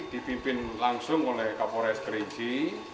dipimpin langsung oleh kapolres kerinci